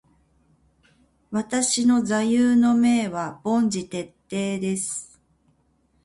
私の座右の銘は凡事徹底です。